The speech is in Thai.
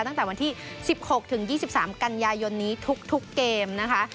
ตั้งแต่วันที่๑๖ถึง๒๓กันยายนนี้ทุกเกมนะคะ